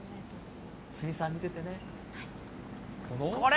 鷲見さん見ててね。